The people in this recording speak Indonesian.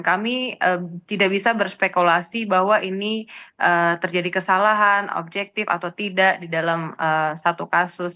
kami tidak bisa berspekulasi bahwa ini terjadi kesalahan objektif atau tidak di dalam satu kasus